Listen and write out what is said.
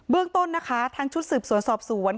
เรื่องต้นนะคะทางชุดสืบสวนสอบสวน